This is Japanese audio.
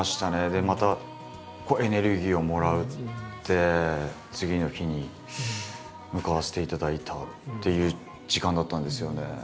でまた濃いエネルギーをもらって次の日に向かわせていただいたっていう時間だったんですよね。